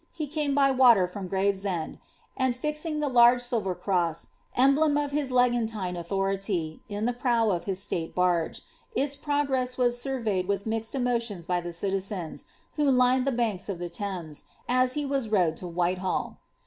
He came by water from Graveeend ; and fixing the large silver cross, emblem of his legantine authority, in the prow of hit aiate barge, its progress was surveyed with mixed emotions by the citi zens, who lined the banks of the Thames, as he was rowed to Wliite ' Mary is thus represente<l on her great seal.